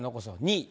２位。